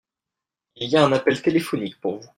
Il y a un appel téléphonique pour vous.